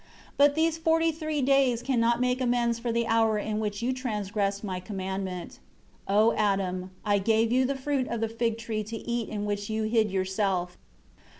3 But these forty three days cannot make amends for the hour in which you transgressed My commandment. 4 O Adam, I gave you the fruit of the fig tree to eat in which you hid yourself.